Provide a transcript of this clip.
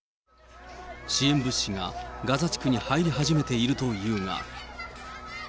支援物資がガザ地区に入り始めているというが。